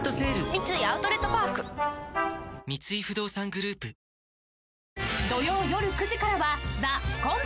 三井アウトレットパーク三井不動産グループ無事到着しました！